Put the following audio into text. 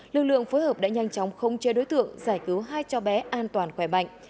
lực lượng phối hợp đã nhanh chóng khống chế đối tượng giải cứu hai cho bé an toàn khỏe bệnh